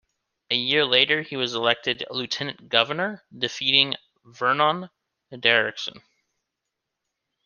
A year later, he was elected lieutenant-governor, defeating Vernon Derrickson.